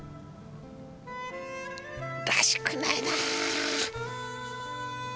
らしくないな！